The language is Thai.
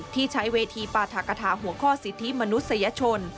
ที่ใช้เวทีปราธกฐาหัวข้อสิทธิมนุษยชน